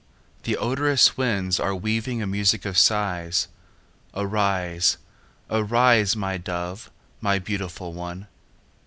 The odorous winds are weaving A music of sighs: Arise, arise, My dove, my beautiful one!